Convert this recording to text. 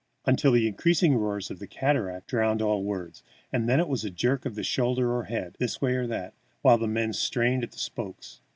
until the increasing roar of the cataract drowned all words, and then it was a jerk of shoulders or head, this way or that, while the men strained at the spokes.